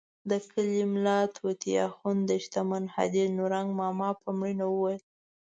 د کلي ملا طوطي اخند د شتمن حاجي نورنګ ماما په مړینه وویل.